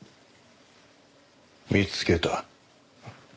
見つけた？